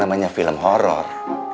namanya film horror